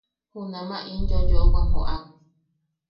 Junama in yoyoʼowam joʼak.